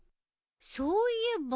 そういえば。